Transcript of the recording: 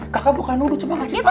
kakak bukan nurut coba kasih tau